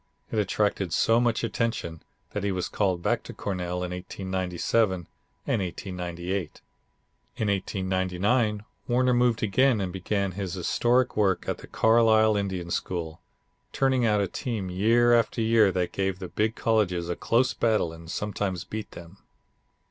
It attracted so much attention that he was called back to Cornell in 1897 and 1898. In 1899 Warner moved again and began his historic work at the Carlisle Indian School, turning out a team year after year that gave the big colleges a close battle and sometimes beat them.